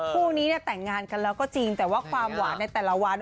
คู่นี้เนี่ยแต่งงานกันแล้วก็จริงแต่ว่าความหวานในแต่ละวัน